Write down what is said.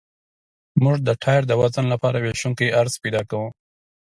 موږ د ټایر د وزن لپاره ویشونکی عرض پیدا کوو